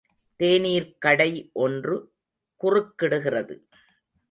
தேநீர்க்கடை ஒன்று குறுக்கிடுகிறது.